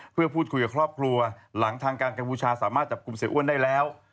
เพื่อพูดคุยกับครอบครัวหลังทางการกัมพูชาสามารถจับกลุ่มเสียอ้วนได้แล้ว